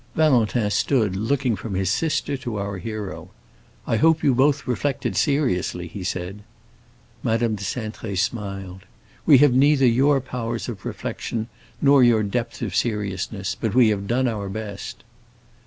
Valentin stood looking from his sister to our hero. "I hope you both reflected seriously," he said. Madame de Cintré smiled. "We have neither your powers of reflection nor your depth of seriousness; but we have done our best."